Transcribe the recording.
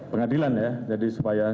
pengadilan ya jadi supaya